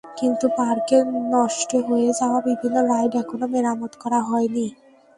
কিন্তু পার্কের নষ্ট হয়ে যাওয়া বিভিন্ন রাইড এখনো মেরামত করা হয়নি।